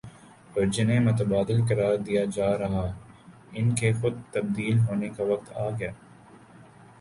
اور جنہیں متبادل قرار دیا جا رہا ان کے خود تبدیل ہونے کا وقت آ گیا ہے ۔